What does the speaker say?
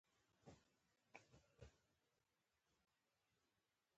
ـ زمريانو د نشتون نه ګيدړې په بامو ګرځي